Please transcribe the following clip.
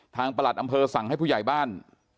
ประหลัดอำเภอสั่งให้ผู้ใหญ่บ้าน